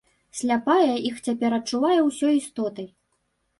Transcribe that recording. Сляпая іх цяпер адчувае ўсёй істотай.